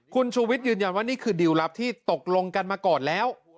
คุณชูวิทย์ยืนยันว่านี่คือดิวลลับที่ตกลงกันมาก่อนแล้ว